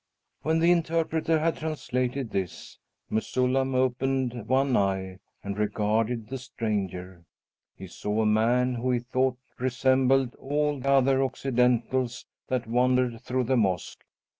When the interpreter had translated this, Mesullam opened one eye and regarded the stranger. He saw a man who he thought resembled all other Occidentals that wandered through the mosque.